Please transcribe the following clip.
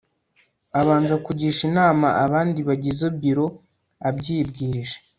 abanza kugisha inama abandi bagize biro abyibwirije